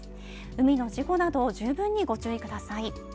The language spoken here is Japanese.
海の事故など十分にご注意ください